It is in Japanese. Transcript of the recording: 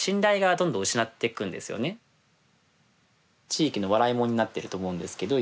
地域の笑いものになってると思うんですけど。